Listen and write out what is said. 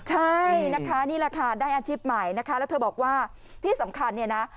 ใช่นะคะนี่แหละค่ะได้อาชีพใหม่นะคะแล้วเธอบอกว่าที่สำคัญเนี่ยนะ